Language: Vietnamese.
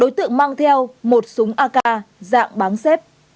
đối tượng mang theo một súng ak dạng bán xếp